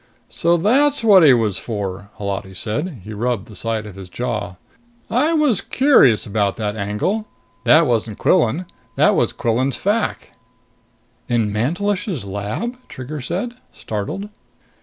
"So that's what he was for!" Holati said. He rubbed the side of his jaw. "I was curious about that angle! That wasn't Quillan. That was Quillan's fac." "In Mantelish's lab?" Trigger said, startled.